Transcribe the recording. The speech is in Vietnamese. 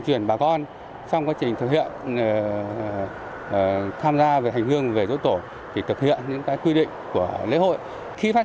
truyền tham gia về hành hương về rối tổ thì thực hiện những cái quy định của lễ hội khi phát